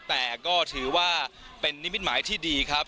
แต่ก็ถือว่าเป็นนิมิตหมายที่ดีครับ